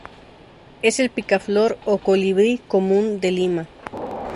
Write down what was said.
Es el picaflor o colibrí común de Lima.